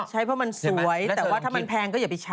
ใช้เพราะมันสวยแต่ว่าถ้ามันแพงก็อย่าไปใช้